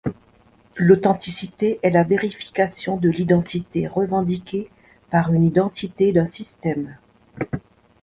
L’authenticité est la vérification de l’identité revendiqué par une entité d’un système.